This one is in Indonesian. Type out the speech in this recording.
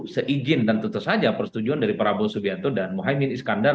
seijin dan tentu saja persetujuan dari prabowo subianto dan mohaimin iskandar